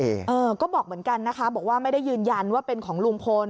เออก็บอกเหมือนกันนะคะบอกว่าไม่ได้ยืนยันว่าเป็นของลุงพล